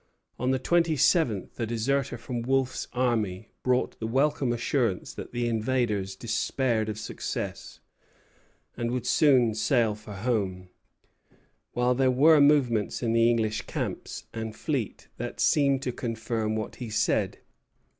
On the twenty seventh a deserter from Wolfe's army brought the welcome assurance that the invaders despaired of success, and would soon sail for home; while there were movements in the English camps and fleet that seemed to confirm what he said.